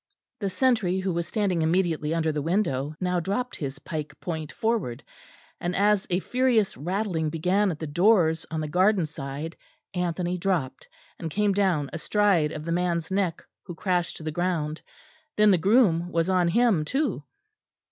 The sentry, who was standing immediately under the window, now dropped his pike point forward; and as a furious rattling began at the doors on the garden side, Anthony dropped, and came down astride of the man's neck, who crashed to the ground. Then the groom was on him too.